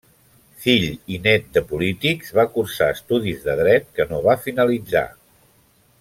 Fill i nét de polítics, va cursar estudis de Dret que no va finalitzar.